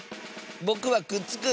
ぼくはくっつく！